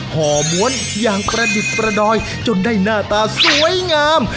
ห่อม้วนอย่างประดิษฐ์ประดอยจนได้หน้าตาสวยงาม